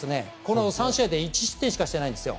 ３試合で１失点しかしてないんですよ。